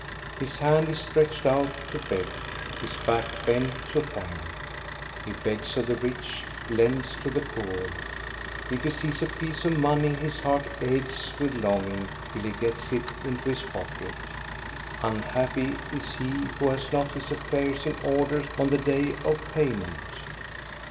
His hand is stretched out to beg, his back bent to thank. He begs of the rich, lends to the poor. If he sees a piece of money his heart aches with longing till he gets it into his pocket. Unhappy is he who has not his affairs in order on the day of payment